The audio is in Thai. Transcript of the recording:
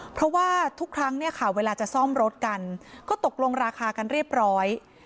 เพราะว่าทุกครั้งเนี่ยค่ะเวลาจะซ่อมรถกันก็ตกลงราคากันเรียบร้อย